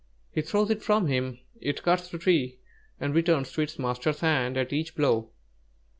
He throws it from him; it cuts the tree and returns to its master's hand at each blow.